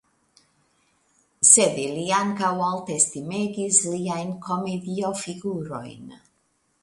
Sed ili ankaŭ altestimegis liajn komediofigurojn.